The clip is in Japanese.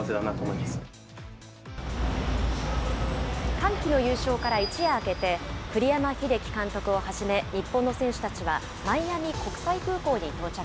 歓喜の優勝から一夜明けて、栗山英樹監督をはじめ、日本の選手たちはマイアミ国際空港に到着。